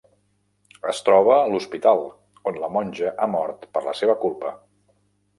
Es troba l'hospital, on la monja ha mort per la seva culpa.